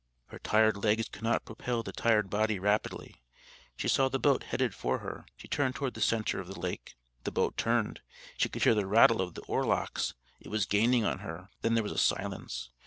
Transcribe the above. Her tired legs could not propel the tired body rapidly. She saw the boat headed for her. She turned toward the centre of the lake. The boat turned. She could hear the rattle of the oar locks. It was gaining on her. Then there was a silence.